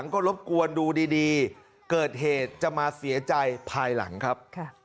ก็รบกวนดูดีเกิดเหตุจะมาเสียใจภายหลังครับ